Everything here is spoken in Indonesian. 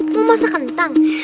mau masak kentang